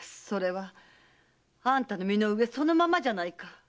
それはあんたの身の上そのままじゃないか。